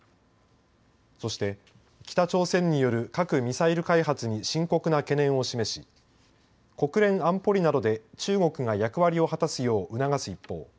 そして北朝鮮による核・ミサイル開発に深刻な懸念を示し国連安保理などで中国が役割を果たすよう促す一方